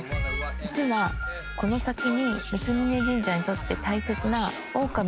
実はこの先に三峯神社にとって大切な。